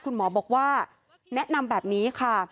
คุณหมอบอกว่าแนะนำแบบนี้ค่ะ